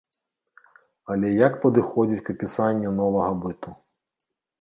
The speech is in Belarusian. Але як падыходзіць к апісанню новага быту?